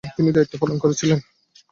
তিনি দায়িত্ব পালন করে ছিলেন।